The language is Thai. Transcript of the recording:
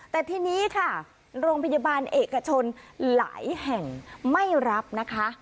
แต่ทีนี้ค่ะโรงพยาบาลเอกชนหลายแห่งไม่รับนะคะ